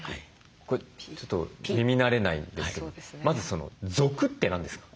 これちょっと耳慣れないんですけどもまずその「属」って何ですか？